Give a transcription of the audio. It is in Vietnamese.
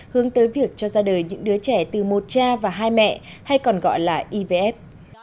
hướng tới việc cho ra đời những đứa trẻ từ một cha và hai mẹ hay còn gọi là ivf